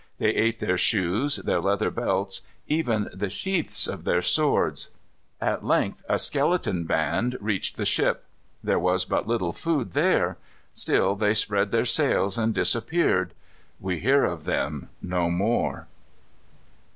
They ate their shoes, their leather belts, even the sheaths of their swords. At length a skeleton band reached the ship. There was but little food there. Still they spread their sails, and disappeared. We hear of them no more.